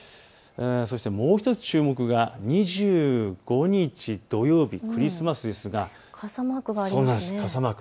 もう１つ注目が２５日土曜日、クリスマスですが傘マーク。